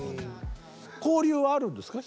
交流はあるんですか？